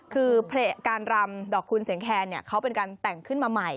คือการรำดอกคุณเสียงแคนเขาเป็นการแต่งขึ้นมาใหม่